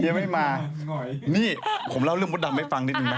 เนี่ยไม่มาเนี่ยไม่มานี่ผมเล่าเรื่องมดดำให้ฟังนิดหนึ่งนะ